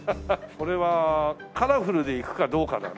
これはカラフルでいくかどうかだな。